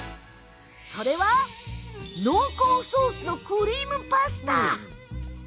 それは濃厚ソースのクリームパスタ！